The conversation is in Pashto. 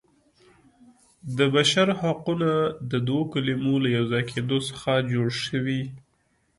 د بشر حقونه د دوو کلمو له یو ځای کیدو څخه جوړ شوي.